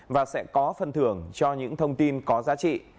và sẽ có phần thưởng cho những thông tin có giá trị